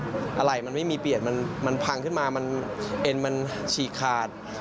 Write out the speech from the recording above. อะไรมันไม่มีเปลี่ยนมันพังขึ้นมามันเอ็นมันฉีกขาด